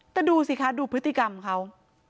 แต่ดูสิคะดูพฤติกรรมเขา